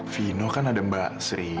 vino kan ada mbak sri